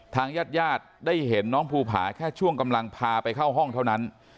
ทางญาติญาติได้เห็นน้องภูผาแค่ช่วงกำลังพาไปเข้าห้องเท่านั้น